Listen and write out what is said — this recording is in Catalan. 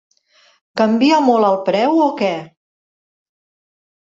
Canvia molt el preu o que?